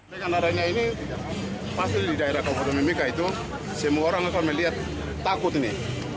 dengan adanya ini pasti di daerah kabupaten mimika itu semua orang akan melihat takut ini